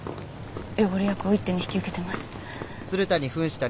汚れ役を一手に引き受けてます。